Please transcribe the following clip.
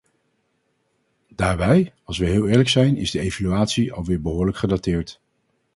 Daarbij, als we heel eerlijk zijn, is de evaluatie alweer behoorlijk gedateerd.